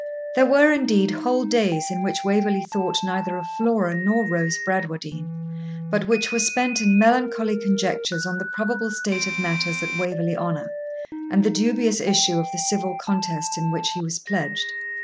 There were, indeed, whole days in which Waverley thought neither of Flora nor Rose Bradwardine, but which were spent in melancholy conjectures on the probable state of matters at Waverley Honour, and the dubious issue of the civil contest in which he was pledged.